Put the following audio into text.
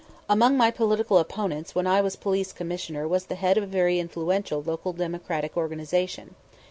Among my political opponents when I was Police Commissioner was the head of a very influential local Democratic organization.